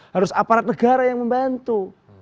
harus aparat negara yang membantu